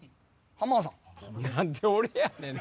何で俺やねんな！